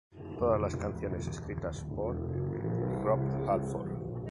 Todas las canciones escritas por Rob Halford.